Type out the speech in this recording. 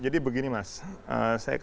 jadi begini mas